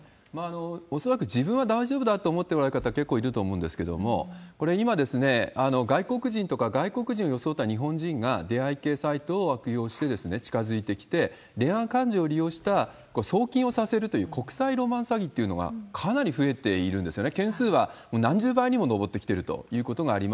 恐らく自分は大丈夫だと思っておられる方、結構いると思うんですけれども、これには外国人とか、外国人を装った日本人が出会い系サイトを悪用して近づいてきて、恋愛感情を利用した送金をさせるという、国際ロマンス詐欺というのがかなり増えているんですね。